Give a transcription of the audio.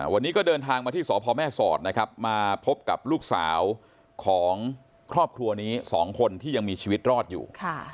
วันนี้ก็เดินทางมาที่สพแม่สอดนะครับมาพบกับลูกสาวของครอบครัวนี้๒คนที่ยังมีชีวิตรอดอยู่